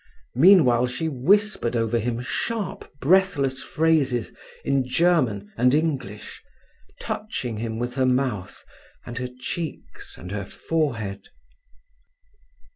Meanwhile she whispered over him sharp, breathless phrases in German and English, touching him with her mouth and her cheeks and her forehead.